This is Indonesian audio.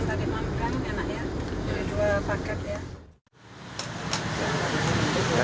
jadi nanti adik turun